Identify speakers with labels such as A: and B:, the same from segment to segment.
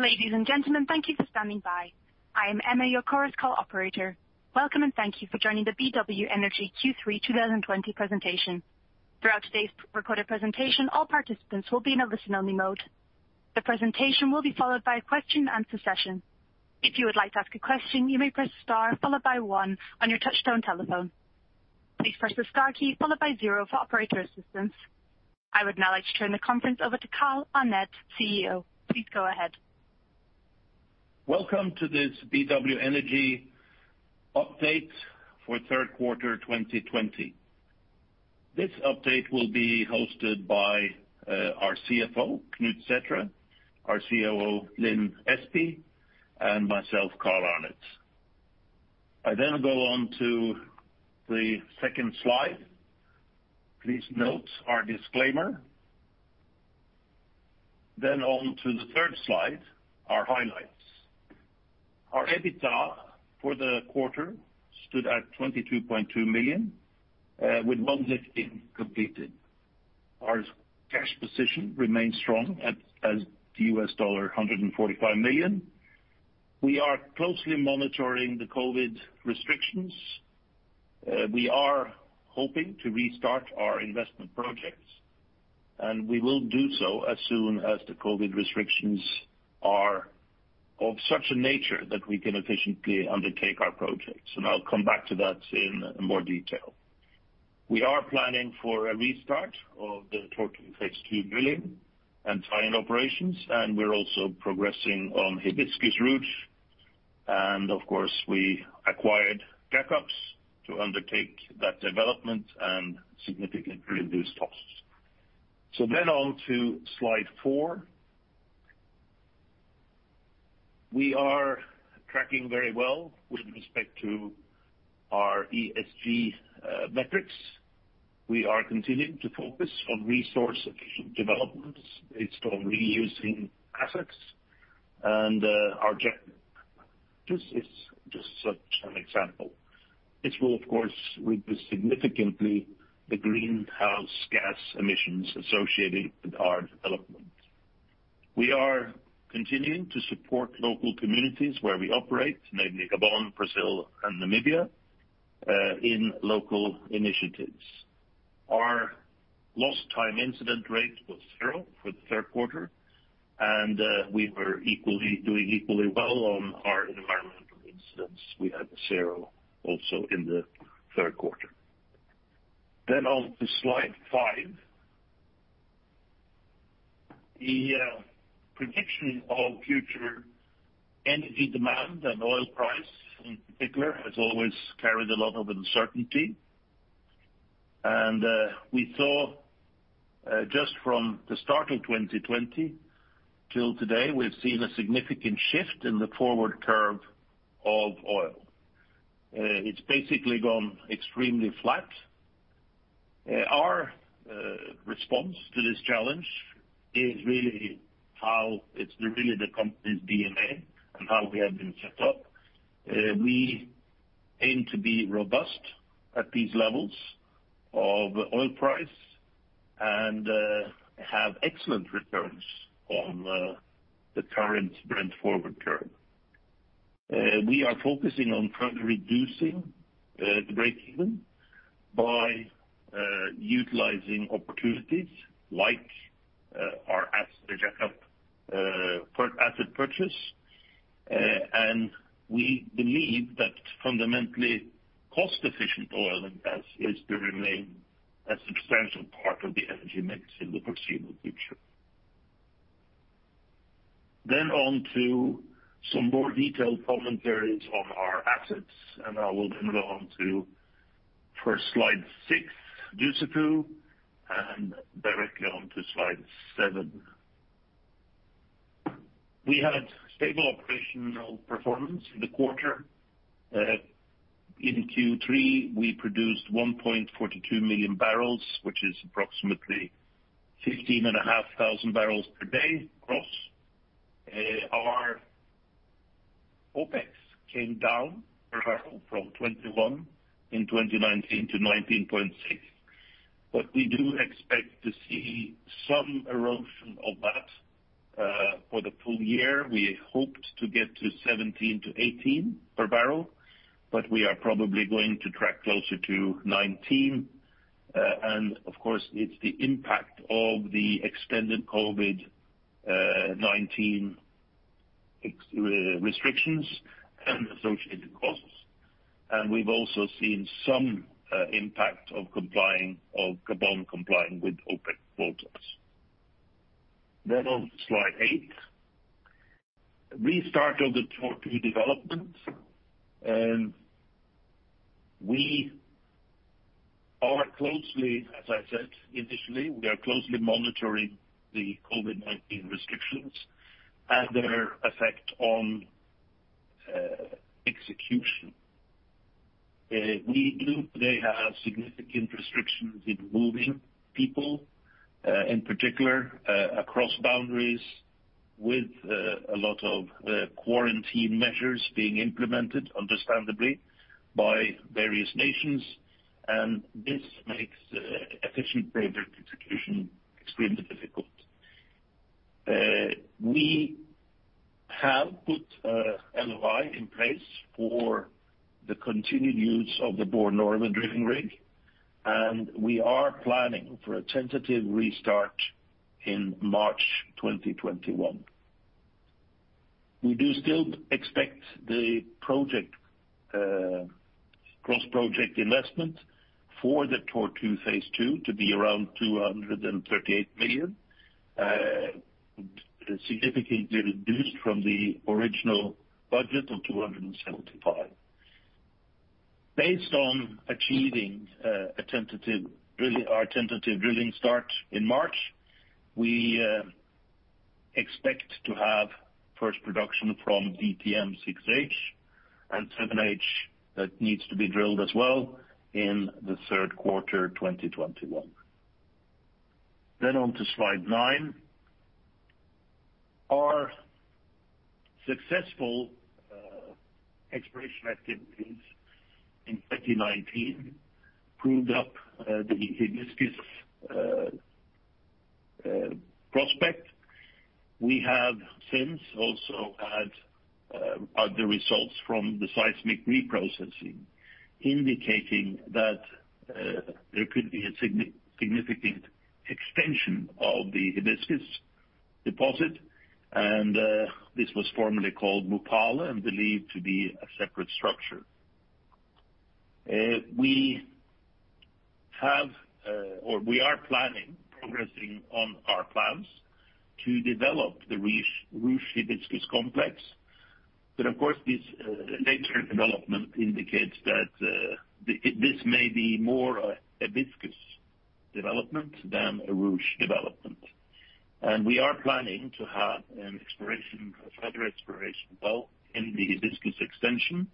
A: Ladies and gentlemen, thank you for standing by. I am Emma, your Chorus Call operator. Welcome, and thank you for joining the BW Energy Q3 2020 presentation. Throughout today's recorded presentation, all participants will be in a listen-only mode. The presentation will be followed by a question and answer session. I would now like to turn the conference over to Carl Arnet, CEO. Please go ahead.
B: Welcome to this BW Energy update for the third quarter 2020. This update will be hosted by our CFO, Knut Sæthre, our COO, Lin Espey, and myself, Carl Arnet. I go on to the second slide. Please note our disclaimer. On to the third slide, our highlights. Our EBITDA for the quarter stood at $22.2 million, with one lift being completed. Our cash position remains strong at $145 million. We are closely monitoring the COVID restrictions. We are hoping to restart our investment projects, and we will do so as soon as the COVID restrictions are of such a nature that we can efficiently undertake our projects. I'll come back to that in more detail. We are planning for a restart of the Tortue phase II drilling and tie-in operations, and we're also progressing on Hibiscus Ruche. Of course, we acquired jack-ups to undertake that development and significantly reduce costs. On to slide four. We are tracking very well with respect to our ESG metrics. We are continuing to focus on resource-efficient developments based on reusing assets. Our objective is just such an example. This will, of course, reduce significantly the greenhouse gas emissions associated with our development. We are continuing to support local communities where we operate, namely Gabon, Brazil, and Namibia, in local initiatives. Our lost time incident rate was zero for the third quarter, and we were doing equally well on our environmental incidents. We had zero also in the third quarter. On to slide five. The prediction of future energy demand and oil price in particular has always carried a lot of uncertainty. We saw just from the start of 2020 till today, we've seen a significant shift in the forward curve of oil. It's basically gone extremely flat. Our response to this challenge is really the company's DNA and how we have been set up. We aim to be robust at these levels of oil price and have excellent returns on the current Brent forward curve. We are focusing on further reducing the break-even by utilizing opportunities like our asset jack-up asset purchase. We believe that fundamentally cost-efficient oil and gas is to remain a substantial part of the energy mix in the foreseeable future. On to some more detailed commentaries on our assets, and I will then go on to first slide six, Dussafu, and directly on to slide seven. We had stable operational performance in the quarter. In Q3, we produced 1.42 million barrels, which is approximately 15,500 barrels per day gross. Our OPEX came down per barrel from 21 in 2019 to 19.6. We do expect to see some erosion of that for the full year. We hoped to get to 17-18 per barrel, but we are probably going to track closer to 19. Of course, it's the impact of the extended COVID-19 restrictions and associated costs. We've also seen some impact of Gabon complying with OPEC quotas. On slide 8, restart of the Tortue development. We are closely, as I said initially, we are closely monitoring the COVID-19 restrictions and their effect on execution. We do today have significant restrictions in moving people, in particular, across boundaries with a lot of quarantine measures being implemented, understandably, by various nations. This makes efficient project execution extremely difficult. We have put an LOI in place for the continued use of the Borr Norve drilling rig, and we are planning for a tentative restart in March 2021. We do still expect the gross-project investment for the Tortue phase II to be around $238 million, significantly reduced from the original budget of $275 million. Based on achieving our tentative drilling start in March, we expect to have first production from DTM-6H and DTM-7H, that needs to be drilled as well, in the third quarter 2021. On to slide nine. Our successful exploration activities in 2019 proved up the Hibiscus prospect. We have since also had other results from the seismic reprocessing, indicating that there could be a significant extension of the Hibiscus deposit. This was formerly called Mupal and believed to be a separate structure. We are planning, progressing on our plans, to develop the Ruche Hibiscus complex. Of course, this later development indicates that this may be more a Hibiscus development than a Ruche development. We are planning to have a further exploration well in the Hibiscus extension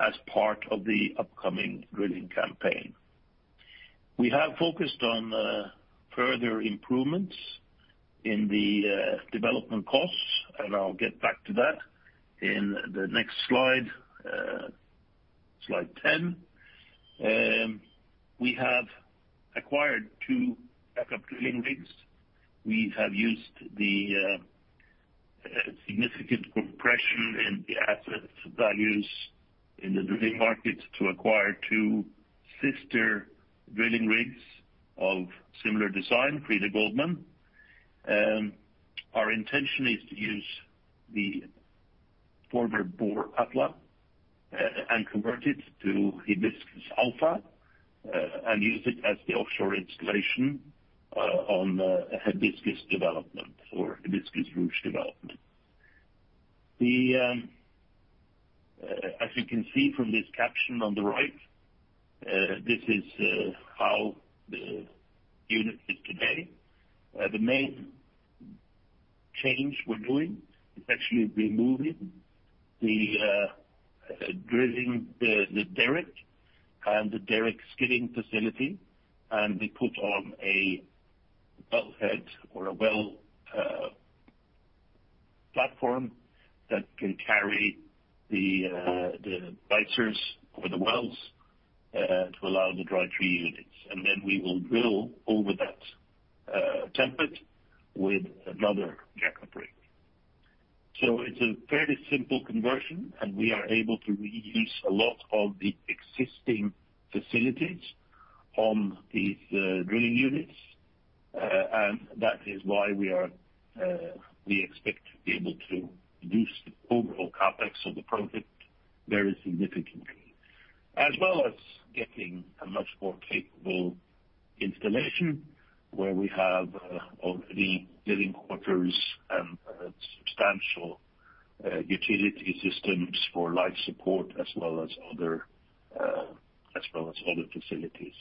B: as part of the upcoming drilling campaign. We have focused on further improvements in the development costs, and I'll get back to that in the next slide 10. We have acquired two backup drilling rigs. We have used the significant compression in the asset values in the drilling markets to acquire two sister drilling rigs of similar design, Friede & Goldman. Our intention is to use the former Borr Atlas and convert it to Hibiscus Alpha, and use it as the offshore installation on the Hibiscus development or Hibiscus Ruche development. As you can see from this caption on the right, this is how the unit is today. The main change we're doing is actually removing the derrick and the derrick skidding facility, and we put on a wellhead or a well platform that can carry the wellheads or the wells, to allow the dry tree units. Then we will drill over that template with another jackup rig. It's a fairly simple conversion, and we are able to reuse a lot of the existing facilities on these drilling units. That is why we expect to be able to reduce the overall CapEx of the project very significantly, as well as getting a much more capable installation where we have already living quarters and substantial utility systems for life support as well as other facilities.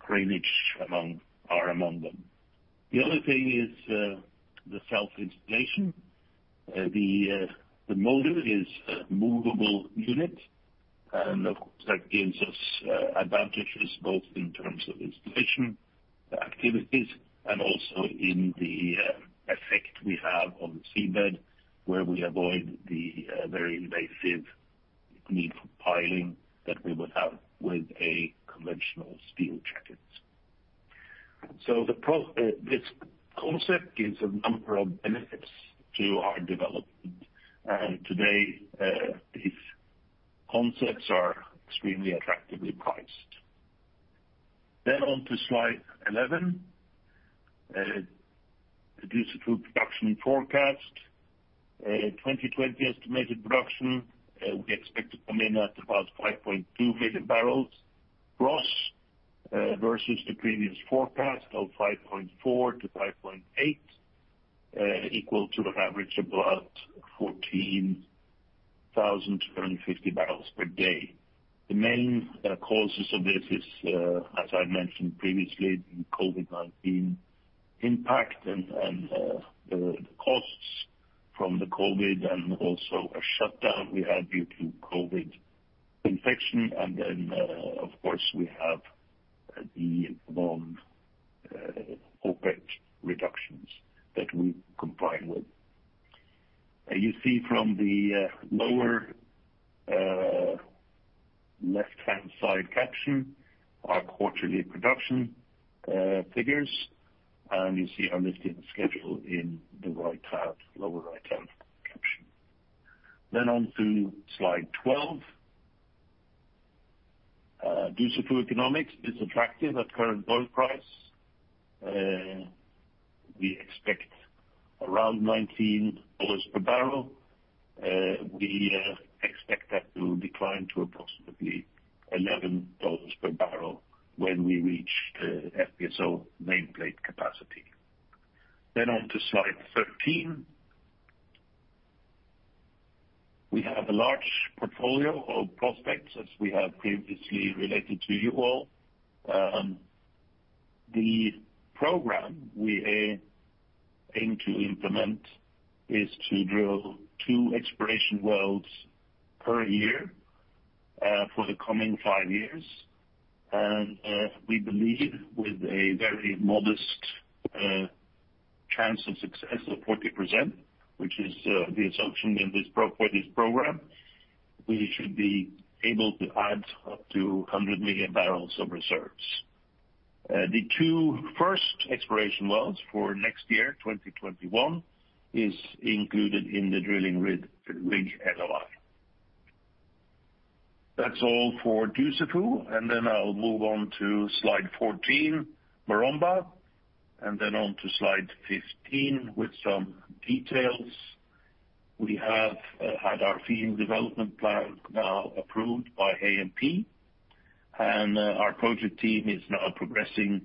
B: Cranage are among them. The other thing is the self-installation. The module is a movable unit. Of course that gives us advantages both in terms of installation activities and also in the effect we have on the seabed, where we avoid the very invasive need for piling that we would have with a conventional steel jacket. This concept gives a number of benefits to our development, and today these concepts are extremely attractively priced. On to slide 11, reduced full production forecast. 2020 estimated production, we expect to come in at about 5.2 million barrels gross, versus the previous forecast of 5.4 to 5.8, equal to an average of about 14,250 barrels per day. The main causes of this is, as I mentioned previously, the COVID-19 impact and the costs from the COVID and also a shutdown we had due to COVID infection. Of course, we have the involved OpEx reductions. You see from the lower left-hand side caption, our quarterly production figures, and you see our lifting schedule in the lower right-hand caption. On to slide 12. Dussafu economics is attractive at current oil price. We expect around $19 per barrel. We expect that to decline to approximately $11 per barrel when we reach the FPSO nameplate capacity. On to slide 13. We have a large portfolio of prospects as we have previously related to you all. The program we aim to implement is to drill two exploration wells per year, for the coming five years. We believe with a very modest chance of success of 40%, which is the assumption for this program, we should be able to add up to 100 million barrels of reserves. The two first exploration wells for next year, 2021, is included in the drilling rig LOI. That's all for Dussafu, and then I'll move on to slide 14, Maromba, and then on to slide 15 with some details. We have had our field development plan now approved by ANP, and our project team is now progressing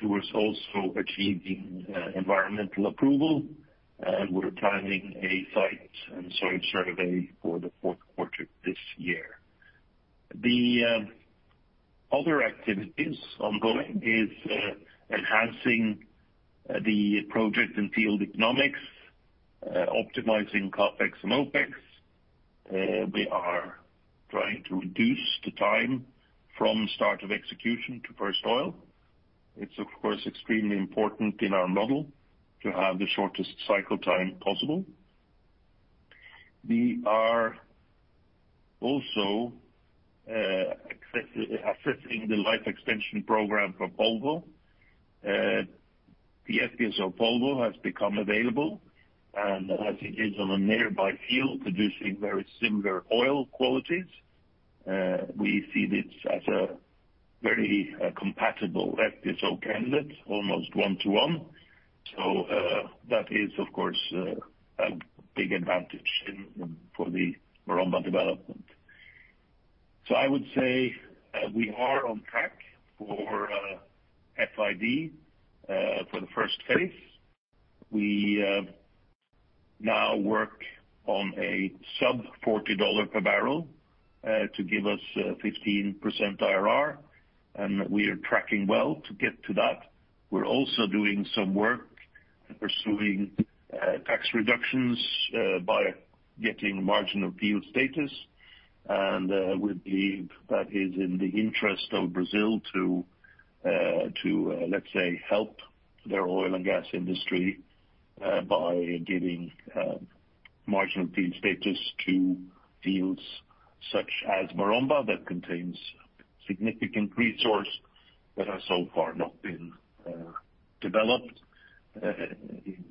B: towards also achieving environmental approval. We're planning a site and soil survey for the fourth quarter this year. The other activities ongoing is enhancing the project and field economics, optimizing CapEx and OPEX. We are trying to reduce the time from start of execution to first oil. It's of course extremely important in our model to have the shortest cycle time possible. We are also assessing the life extension program for Polvo. The FPSO Polvo has become available and as it is on a nearby field producing very similar oil qualities, we see this as a very compatible FPSO candidate, almost one-to-one. That is of course a big advantage for the Maromba development. I would say we are on track for FID for the first phase. We now work on a sub $40 per barrel to give us 15% IRR, and we are tracking well to get to that. We're also doing some work pursuing tax reductions by getting marginal field status. We believe that is in the interest of Brazil to let's say, help their oil and gas industry by giving marginal field status to fields such as Maromba that contains significant resource that has so far not been developed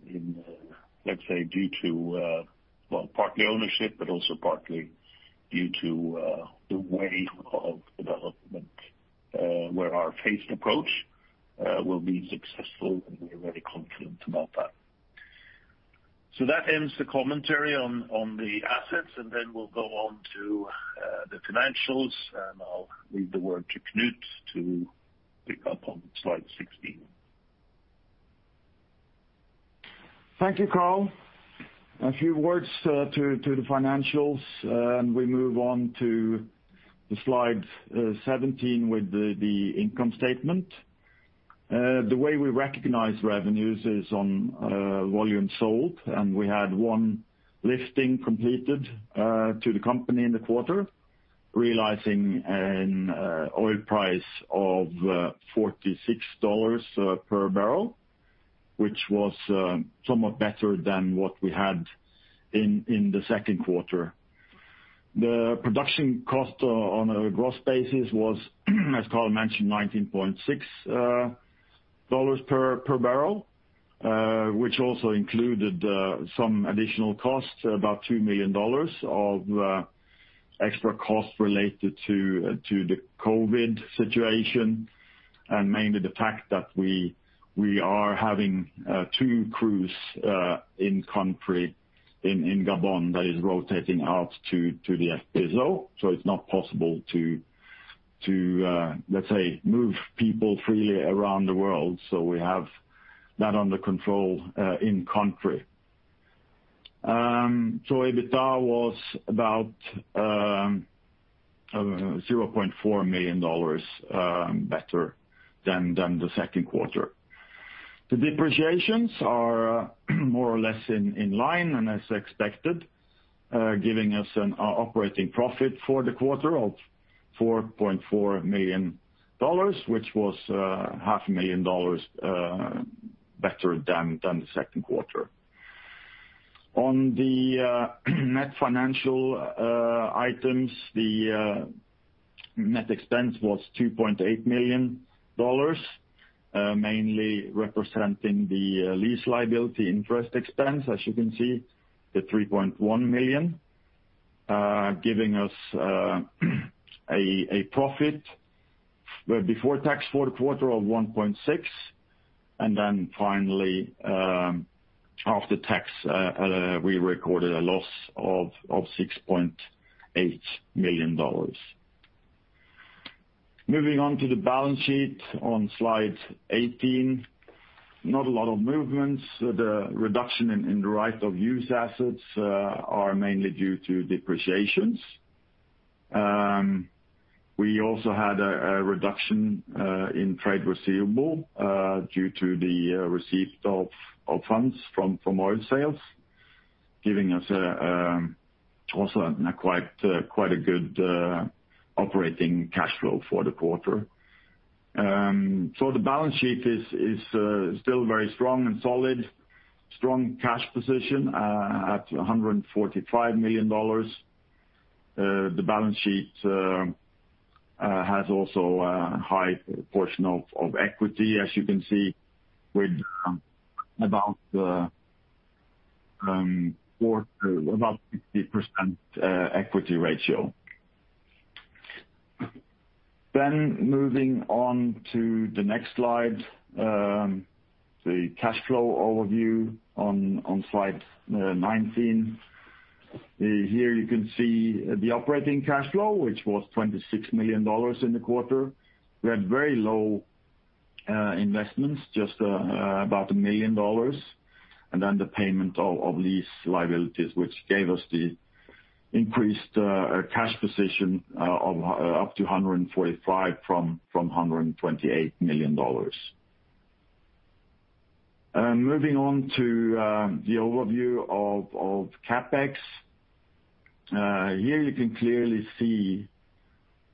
B: in, let's say, due to, well, partly ownership, but also partly due to the way of development, where our phased approach will be successful, and we are very confident about that. That ends the commentary on the assets, and then we'll go on to the financials, and I'll leave the word to Knut to pick up on slide 16.
C: Thank you, Carl. A few words to the financials. We move on to slide 17 with the income statement. The way we recognize revenues is on volume sold. We had one lifting completed to the company in the quarter, realizing an oil price of $46 per barrel, which was somewhat better than what we had in the second quarter. The production cost on a gross basis was, as Carl mentioned, $19.6 per barrel, which also included some additional costs, about $2 million of extra costs related to the COVID situation. Mainly the fact that we are having two crews in country in Gabon that is rotating out to the FPSO, it's not possible to, let's say, move people freely around the world. We have that under control in country. EBITDA was about $0.4 million better than the second quarter. The depreciations are more or less in line and as expected, giving us an operating profit for the quarter of $4.4 million, which was $500,000 better than the second quarter. On the net financial items, the net expense was $2.8 million, mainly representing the lease liability interest expense. As you can see, the $3.1 million giving us a profit, before tax for the quarter of $1.6 million. Finally, after tax, we recorded a loss of $6.8 million. Moving on to the balance sheet on slide 18, not a lot of movements. The reduction in the right of use assets are mainly due to depreciations. We also had a reduction in trade receivable due to the receipt of funds from oil sales, giving us also quite a good operating cash flow for the quarter. The balance sheet is still very strong and solid. Strong cash position at $145 million. The balance sheet has also a high portion of equity, as you can see with about 60% equity ratio. Moving on to the next slide, the cash flow overview on slide 19. Here you can see the operating cash flow, which was $26 million in the quarter. We had very low investments, just about $1 million, and the payment of lease liabilities, which gave us the increased cash position of up to $145 million from $128 million. Moving on to the overview of CapEx. Here you can clearly see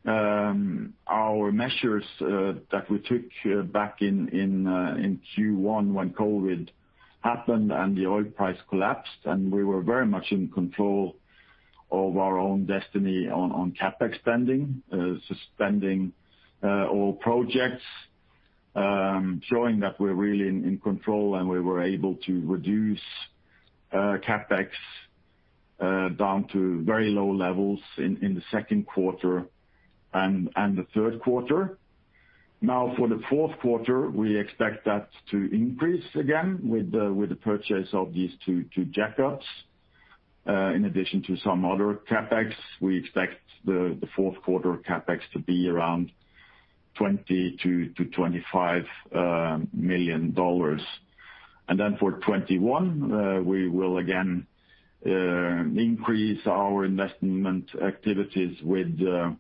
C: our measures that we took back in Q1 when COVID happened and the oil price collapsed, and we were very much in control of our own destiny on CapEx spending. Suspending all projects, showing that we are really in control and we were able to reduce CapEx down to very low levels in the second quarter and the third quarter. For the fourth quarter, we expect that to increase again with the purchase of these two jackups, in addition to some other CapEx. We expect the fourth quarter CapEx to be around $20 million-$25 million. For 2021, we will again increase our investment activities with the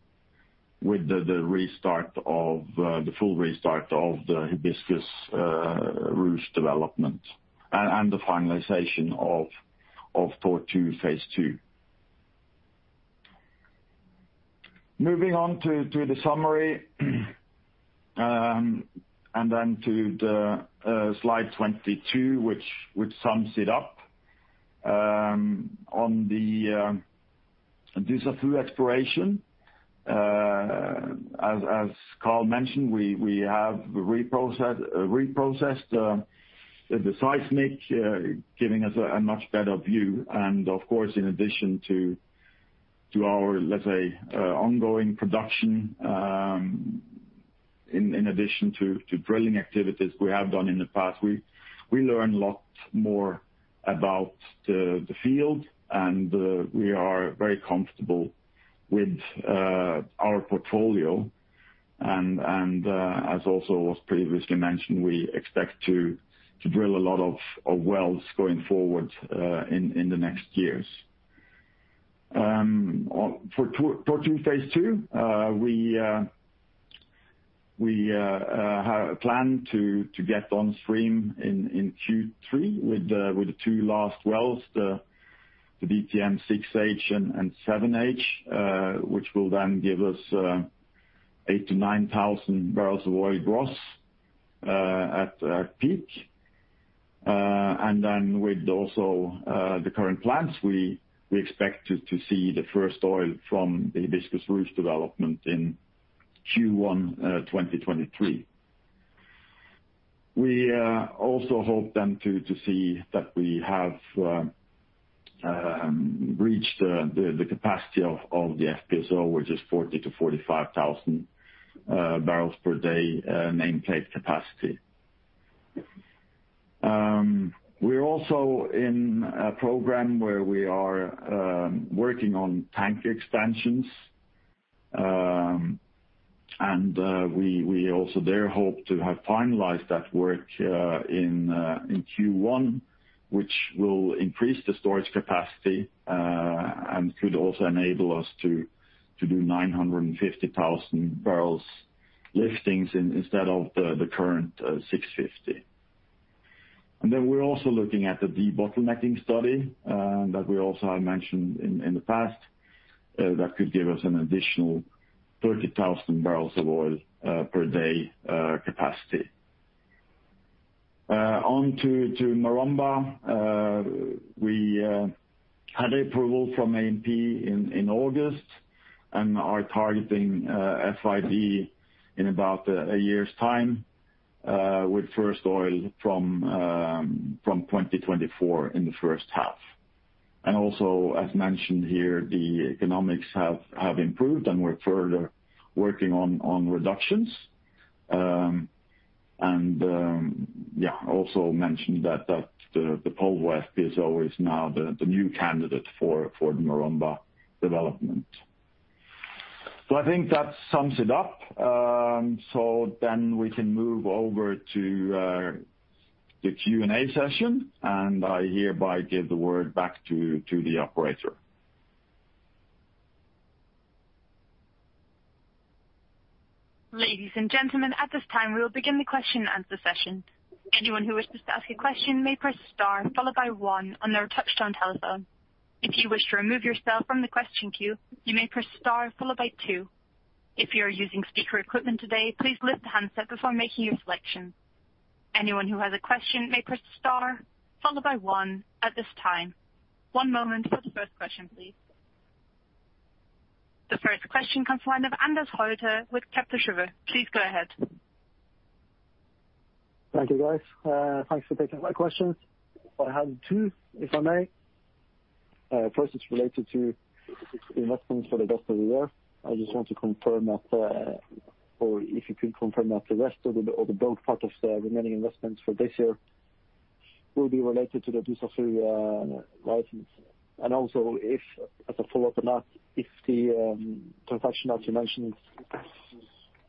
C: full restart of the Hibiscus Ruche development and the finalization of Tortue phase II. Moving on to the summary, and then to the slide 22, which sums it up. On the Dussafu exploration, as Carl mentioned, we have reprocessed the seismic, giving us a much better view. Of course, in addition to our, let's say, ongoing production, in addition to drilling activities we have done in the past, we learn a lot more about the field, and we are very comfortable with our portfolio. As also was previously mentioned, we expect to drill a lot of wells going forward in the next years. For Tortue phase II, we plan to get on stream in Q3 with the two last wells, the DTM-6H and 7H, which will then give us 8,000-9,000 bbl of oil gross at peak. With also the current plans, we expect to see the first oil from the Hibiscus Ruche development in Q1 2023. We also hope then to see that we have reached the capacity of the FPSO, which is 40,000-45,000 bbl per day nameplate capacity. We're also in a program where we are working on tank expansions, and we also there hope to have finalized that work in Q1, which will increase the storage capacity, and could also enable us to do 950,000 bbl liftings instead of the current 650. We're also looking at the debottlenecking study that we also have mentioned in the past, that could give us an additional 30,000 bbl of oil per day capacity. On to Maromba. We had approval from ANP in August and are targeting FID in about a year's time, with first oil from 2024 in the first half. Also as mentioned here, the economics have improved, and we're further working on reductions. Yeah, also mentioned that the Polvo FPSO is always now the new candidate for the Maromba development. I think that sums it up. We can move over to the Q&A session, and I hereby give the word back to the operator.
A: Ladies and gentlemen, at this time we will begin the question and answer session. Anyone who wishes to ask a question may press star followed by one on their touch-tone telephone. If you wish to remove yourself from the question queue, you may press star followed by two. If you are using speaker equipment today, please lift the handset before making your selection. Anyone who has a question may press star followed by one at this time. One moment for the first question, please. The first question comes from line of Anders Holte with Kepler Cheuvreux. Please go ahead.
D: Thank you, guys. Thanks for taking my questions. I have two, if I may. First, it's related to investments for the rest of the year. I just want to confirm that, or if you can confirm that the rest of the, or the bulk part of the remaining investments for this year will be related to the Dussafu license. Also if, as a follow-up on that, if the transaction that you mentioned is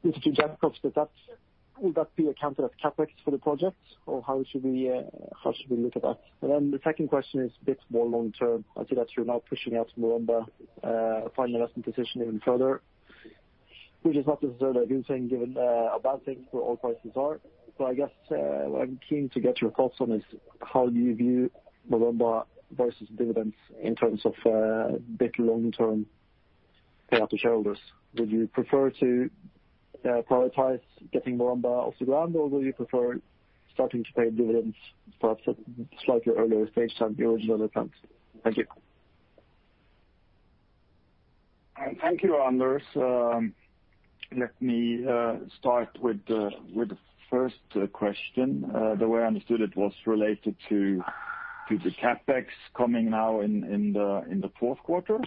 D: with the two jack-ups, will that be accounted as CapEx for the project, or how should we look at that? Then the second question is a bit more long-term. I see that you're now pushing out Maromba final investment decision even further, which is not necessarily a good thing, given a bad thing for oil prices are. I guess, what I'm keen to get your thoughts on is how you view Maromba versus dividends in terms of bit long-term pay out to shareholders. Would you prefer to prioritize getting Maromba off the ground, or would you prefer starting to pay dividends perhaps at slightly earlier stage than the original attempt? Thank you.
C: Thank you, Anders. Let me start with the first question. The way I understood it was related to the CapEx coming now in the fourth quarter,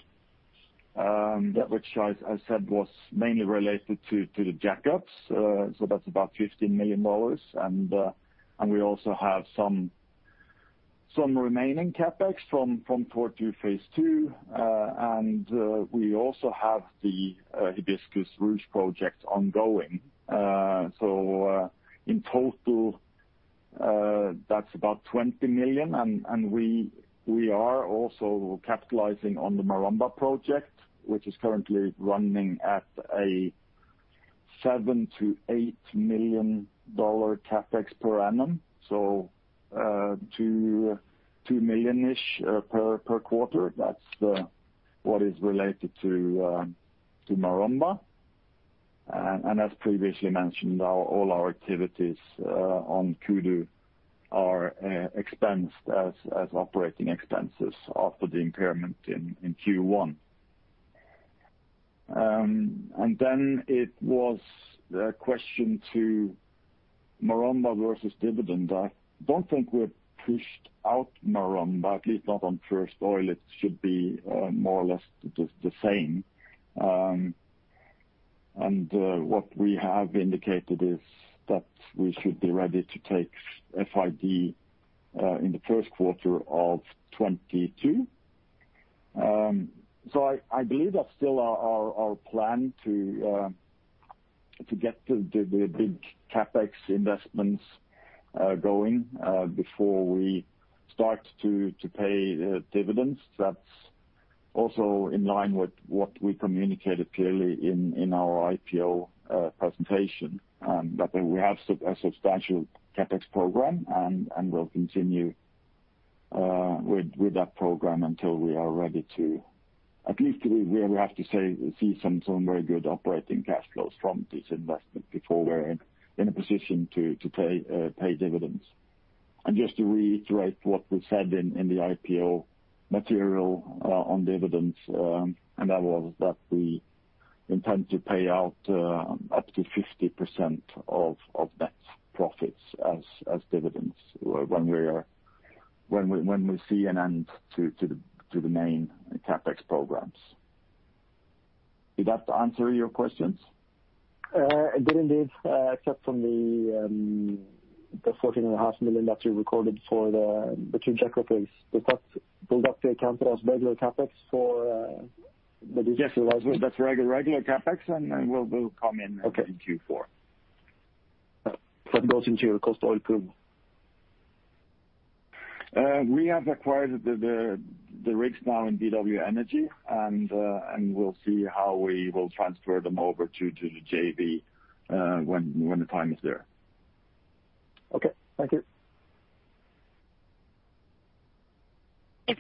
C: which I said was mainly related to the jackups. That's about $15 million. We also have some remaining CapEx from Tortue phase II. We also have the Hibiscus Ruche project ongoing. In total, that's about $20 million, and we are also capitalizing on the Maromba project, which is currently running at a $7 million-$8 million CapEx per annum. $2 million-ish per quarter. That's what is related to Maromba. As previously mentioned, all our activities on Kudu are expensed as operating expenses after the impairment in Q1. It was a question to Maromba versus dividend. I don't think we've pushed out Maromba, at least not on first oil. It should be more or less the same. What we have indicated is that we should be ready to take FID in the first quarter of 2022. I believe that's still our plan to get the big CapEx investments going before we start to pay dividends. That's also in line with what we communicated clearly in our IPO presentation, that we have a substantial CapEx program, and we'll continue with that program until we are ready to at least we have to see some very good operating cash flows from these investments before we're in a position to pay dividends. Just to reiterate what we said in the IPO material on dividends, and that was that we intend to pay out up to 50% of that profit as dividends when we see an end to the main CapEx programs. Did that answer your questions?
D: It did indeed. Except for the $14.5 million that you recorded for the two jackups. Will that be counted as regular CapEx for the Dussafu license?
C: That's regular CapEx, and will come in-
D: Okay.
C: In Q4.
D: That goes into your cost oil pool?
C: We have acquired the rigs now in BW Energy, and we'll see how we will transfer them over to the JV when the time is there.
D: Okay. Thank you.
A: The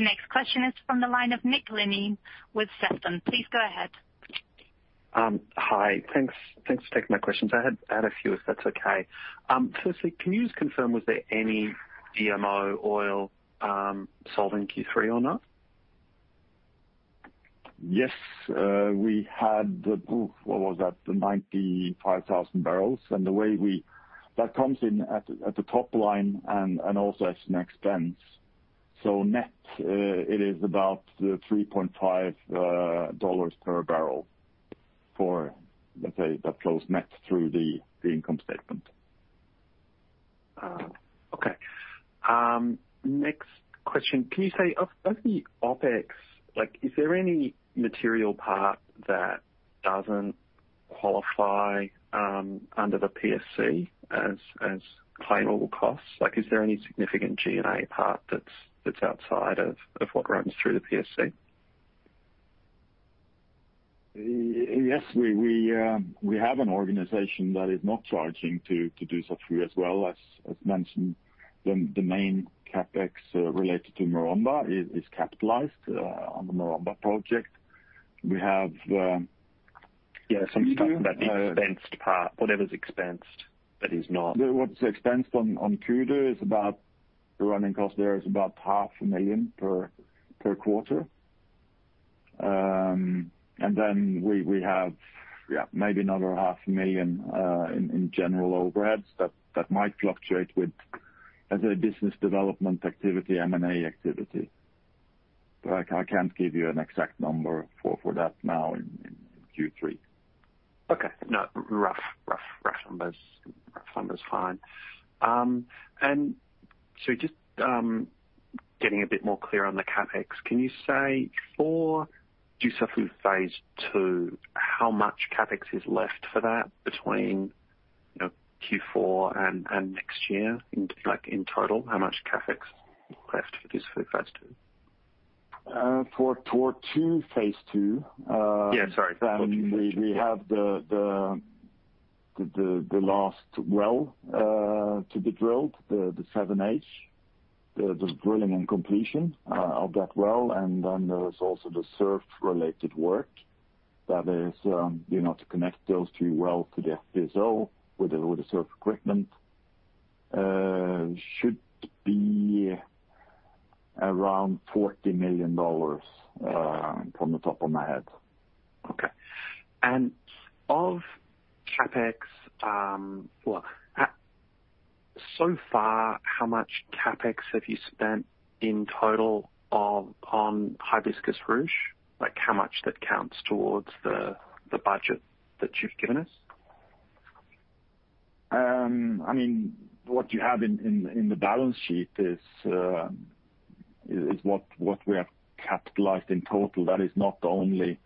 A: next question is from the line of Nick Linnane with Sefton. Please go ahead.
E: Hi. Thanks for taking my questions. I had a few, if that's okay. Firstly, can you just confirm, was there any DMO oil sold in Q3 or not?
C: Yes. We had, what was that? 95,000 bbl. The way that comes in at the top line and also as an expense. Net, it is about $3.5 per bbl for, let's say, that flows net through the income statement.
E: Okay. Next question. Can you say, of the OpEx, is there any material part that doesn't qualify under the PSC as claimable costs? Is there any significant G&A part that's outside of what runs through the PSC?
C: Yes, we have an organization that is not charging to do so through as well. As mentioned, the main CapEx related to Maromba is capitalized on the Maromba project.
E: Yeah, some stuff about the expensed part. Whatever's expensed.
C: What's expensed on Kudu, the running cost there is about half a million per quarter. Then we have maybe another half a million in general overheads that might fluctuate with a business development activity, M&A activity. I can't give you an exact number for that now in Q3.
E: Okay. No, rough numbers. Rough number's fine. Just getting a bit more clear on the CapEx. Can you say for Dussafu phase II, how much CapEx is left for that between Q4 and next year? In total, how much CapEx left for this phase II?
C: phase II.
E: Yeah, sorry.
C: we have the last well to be drilled, the 7H. The drilling and completion of that well, and then there is also the SURF-related work that is to connect those two wells to the FPSO with the SURF equipment. Should be around $40 million from the top of my head.
E: Okay. Of CapEx, well, so far, how much CapEx have you spent in total on Hibiscus Ruche? How much that counts towards the budget that you've given us?
C: What you have in the balance sheet is what we have capitalized in total. That is not only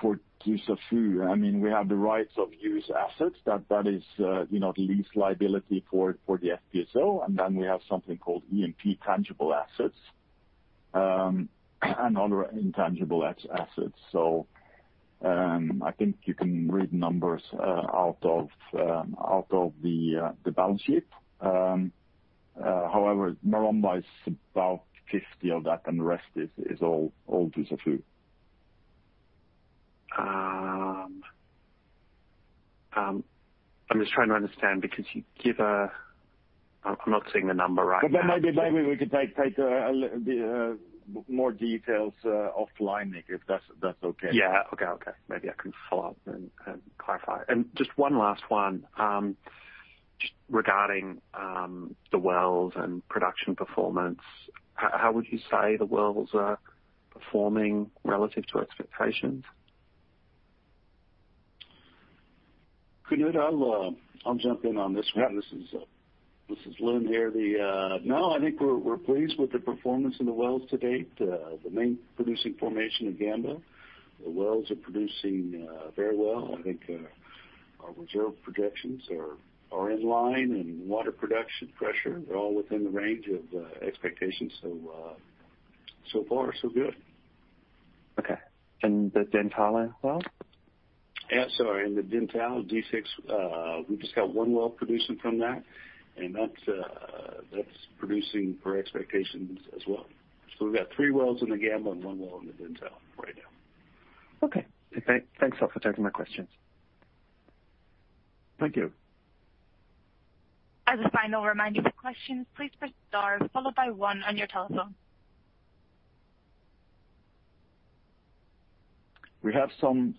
C: for Dussafu. We have the rights of use assets. That is the lease liability for the FPSO, and then we have something called E&P tangible assets and other intangible assets. I think you can read numbers out of the balance sheet. However, Maromba is about 50 of that, and the rest is all Dussafu.
E: I'm just trying to understand because I'm not seeing the number right now.
C: Maybe we could take more details offline, Nick, if that's okay.
E: Yeah. Okay. Maybe I can follow up and clarify. Just one last one, just regarding the wells and production performance. How would you say the wells are performing relative to expectations?
F: Knut, I'll jump in on this one.
C: Yeah.
F: This is Lin here. No, I think we're pleased with the performance of the wells to date. The main producing formation in Gamba, the wells are producing very well. I think our reserve projections are in line, and water production pressure, they're all within the range of expectations. So far, so good.
E: Okay. the Dentale well?
F: Yeah. The Dentale D6, we just have one well producing from that, and that's producing per expectations as well. We've got three wells in the Gamba and one well in the Dentale right now.
E: Okay. Thanks a lot for taking my questions.
C: Thank you.
A: As a final reminder for questions, please press star followed by one on your telephone.
C: We have some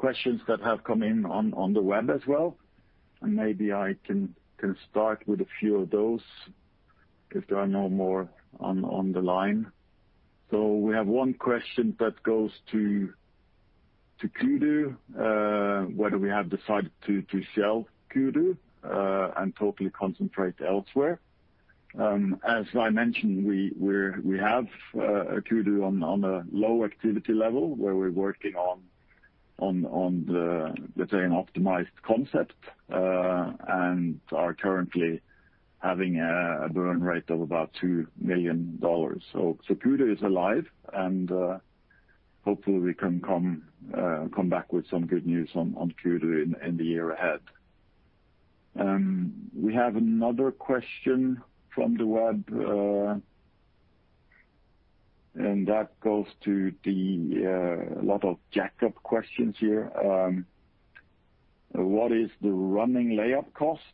C: questions that have come in on the web as well, and maybe I can start with a few of those if there are no more on the line. We have one question that goes to Kudu. Whether we have decided to sell Kudu and totally concentrate elsewhere? As I mentioned, we have Kudu on a low activity level where we're working on the, let's say, an optimized concept, and are currently having a burn rate of about $2 million. Kudu is alive, and hopefully we can come back with some good news on Kudu in the year ahead. We have another question from the web, and that goes to the lot of jack-up questions here. What is the running layup cost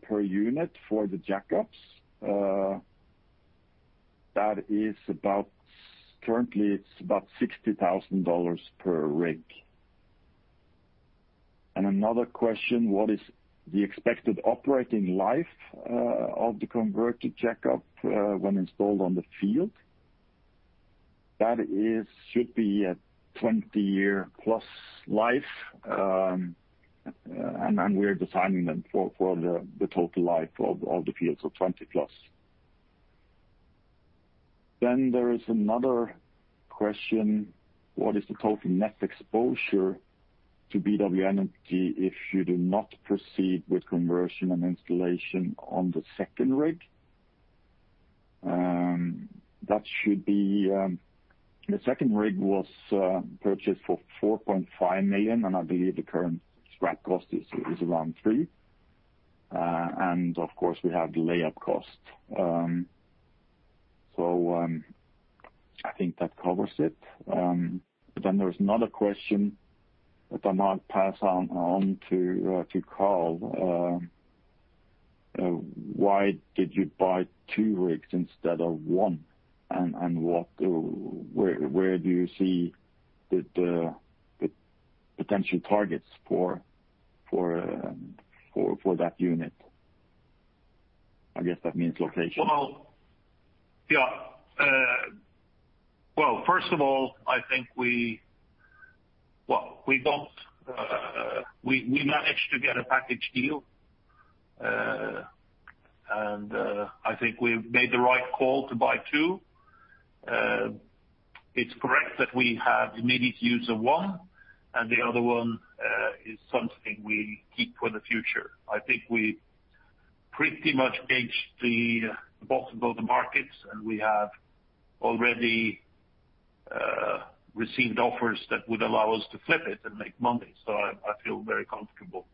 C: per unit for the jack-ups? That is currently, it's about $60,000 per rig. Another question, what is the expected operating life of the converted jack-up when installed on the field? That should be a 20+yea life. We're designing them for the total life of the field, so 20+. There is another question. What is the total net exposure to BW Energy if you do not proceed with conversion and installation on the second rig? The second rig was purchased for $4.5 million, and I believe the current scrap cost is around $3. Of course, we have the layup cost. I think that covers it. There is another question that I might pass on to Carl. Why did you buy two rigs instead of one, and where do you see the potential targets for that unit? I guess that means location.
B: Well, first of all, we managed to get a package deal. I think we made the right call to buy two. It's correct that we have immediate use of one, and the other one is something we keep for the future. I think we pretty much gauged the bottom of the markets, and we have already received offers that would allow us to flip it and make money. I feel very comfortable.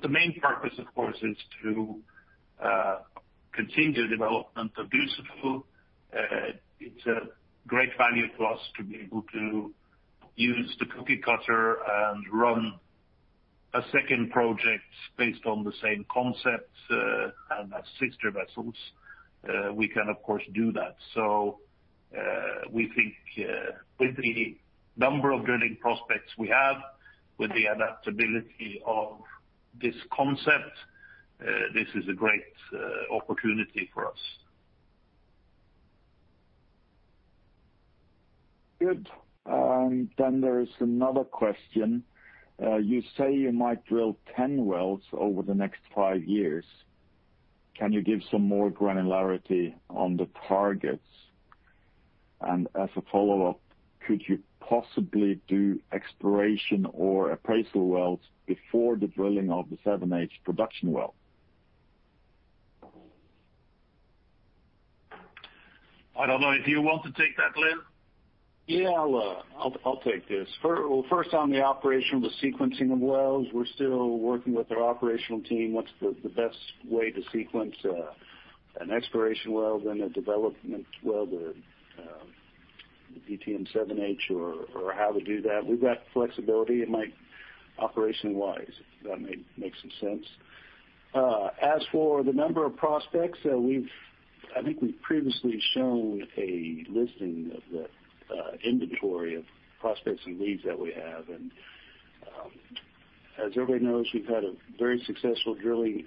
B: The main purpose, of course, is to continue the development of Dussafu. It's a great value to us to be able to use the cookie cutter and run a second project based on the same concept as sister vessels. We can of course do that. We think with the number of drilling prospects we have, with the adaptability of this concept, this is a great opportunity for us.
C: Good. There is another question. You say you might drill 10 wells over the next five years. Can you give some more granularity on the targets? As a follow-up, could you possibly do exploration or appraisal wells before the drilling of the 7H production well?
B: I don't know if you want to take that, Lin?
F: Yeah, I'll take this. First on the operation, the sequencing of wells, we're still working with our operational team. What's the best way to sequence an exploration well, then a development well, the DTM-6H and DTM-7H or how we do that. We've got flexibility it might, operation-wise. If that makes some sense. As for the number of prospects, I think we've previously shown a lifting of the inventory of prospects and leads that we have. As everybody knows, we've had a very successful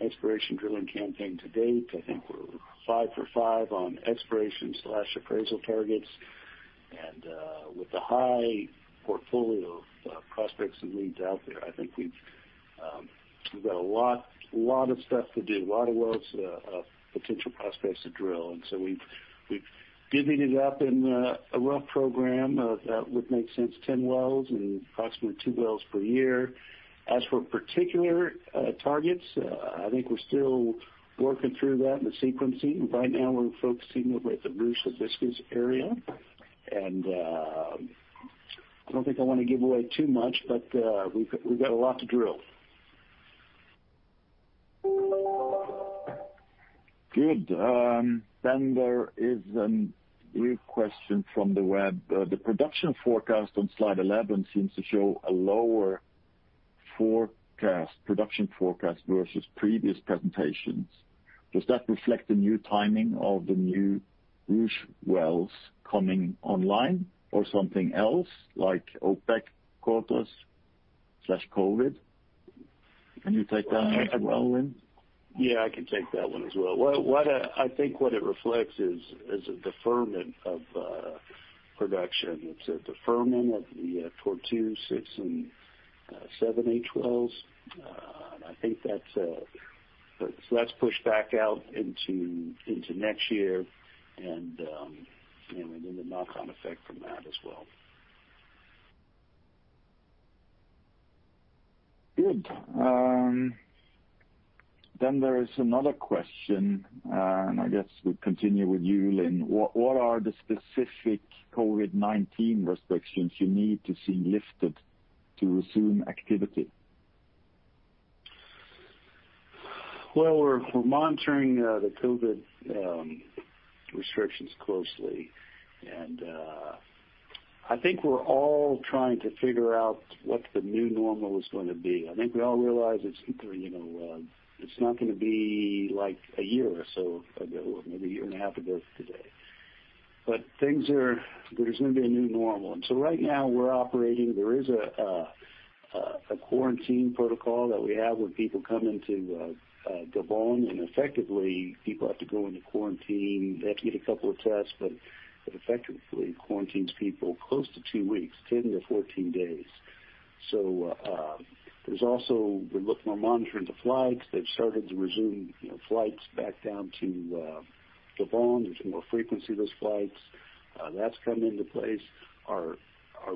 F: exploration drilling campaign to date. I think we're five for five on exploration/appraisal targets. With the high portfolio of prospects and leads out there, I think we've got a lot of stuff to do, a lot of wells of potential prospects to drill. We've divvied it up in a rough program that would make sense, 10 wells and approximately two wells per year. As for particular targets, I think we're still working through that and the sequencing. Right now we're focusing over at the Ruche, Hibiscus area. I don't think I want to give away too much, but we've got a lot to drill.
C: Good. There is a new question from the web. The production forecast on slide 11 seems to show a lower production forecast versus previous presentations. Does that reflect the new timing of the new Ruche wells coming online or something else like OPEC quotas/COVID-19? Can you take that as well, Lin?
F: Yeah, I can take that one as well. I think what it reflects is a deferment. It's a deferment of the Tortue 6 and 7H wells. I think that's pushed back out into next year, and then the knock-on effect from that as well.
C: Good. There is another question, and I guess we'll continue with you, Lin. What are the specific COVID-19 restrictions you need to see lifted to resume activity?
F: Well, we're monitoring the COVID restrictions closely. I think we're all trying to figure out what the new normal is going to be. I think we all realize it's not going to be like a year or so ago, maybe a year and a half ago from today. There's going to be a new normal. Right now we're operating. There is a quarantine protocol that we have when people come into Gabon. Effectively, people have to go into quarantine. They have to get a couple of tests. It effectively quarantines people close to two weeks, 10 to 14 days. There's also, we're monitoring the flights. They've started to resume flights back down to Gabon. There's more frequency of those flights. That's come into place. Our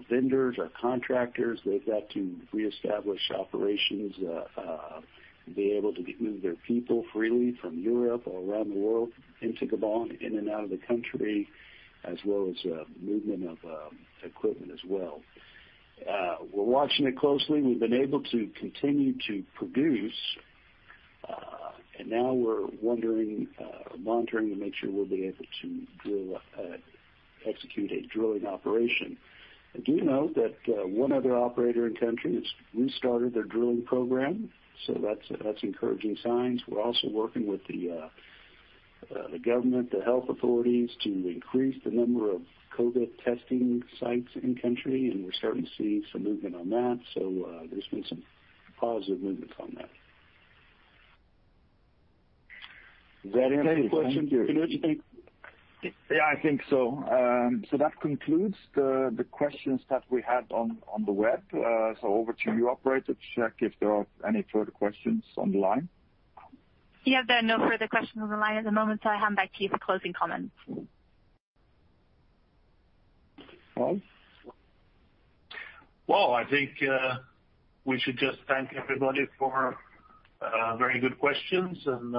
F: vendors, our contractors, they've got to reestablish operations, be able to move their people freely from Europe, all around the world into Gabon, in and out of the country, as well as movement of equipment as well. We're watching it closely. We've been able to continue to produce. Now we're monitoring to make sure we'll be able to execute a drilling operation. I do know that one other operator in country has restarted their drilling program, so that's encouraging signs. We're also working with the government, the health authorities, to increase the number of COVID-19 testing sites in country, and we're starting to see some movement on that. There's been some positive movements on that. Does that answer your question, Finnish?
C: Yeah, I think so. That concludes the questions that we had on the web. Over to you, operator, to check if there are any further questions on the line.
A: Yeah. There are no further questions on the line at the moment, so I hand back to you for closing comments.
C: Well, I think we should just thank everybody for very good questions and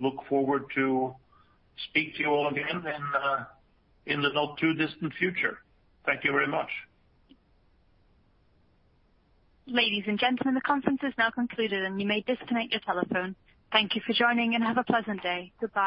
C: look forward to speak to you all again in the not too distant future. Thank you very much.
A: Ladies and gentlemen, the conference is now concluded and you may disconnect your telephone. Thank you for joining and have a pleasant day. Goodbye.